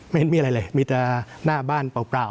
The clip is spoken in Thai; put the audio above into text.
เห็นมีอะไรเลยมีแต่หน้าบ้านเปล่า